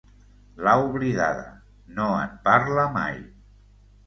L'ha oblidada, no en parla mai.